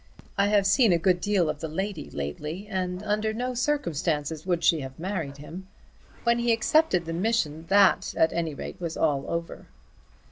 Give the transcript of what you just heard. I have seen a good deal of the lady lately, and under no circumstances would she have married him. When he accepted the mission that at any rate was all over."